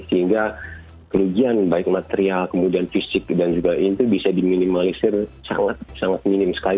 sehingga kerugian baik material kemudian fisik dan juga ini bisa diminimalisir sangat sangat minim sekali